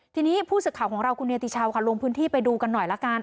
ทีนี้ผู้สื่อข่าวของเราคุณเนติชาวค่ะลงพื้นที่ไปดูกันหน่อยละกัน